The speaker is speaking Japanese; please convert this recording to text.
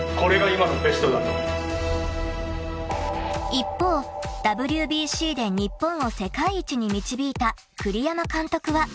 ［一方ＷＢＣで日本を世界一に導いた栗山監督は］